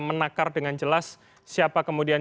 menakar dengan jelas siapa kemudian